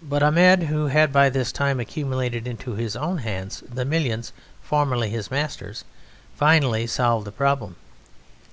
But Ahmed, who had by this time accumulated into his own hands the millions formerly his master's, finally solved the problem.